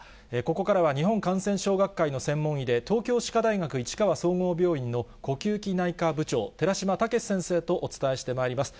ここからは日本感染症学会の専門医で、東京歯科大学市川総合病院の呼吸器内科部長、寺嶋毅先生とお伝えしてまいります。